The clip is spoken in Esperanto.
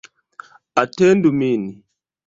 Atendu min.